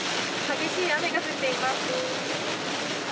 激しい雨が降っています。